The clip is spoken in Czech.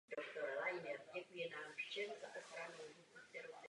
O rok později byla s mírnými změnami v závěru natočena jako televizní inscenace.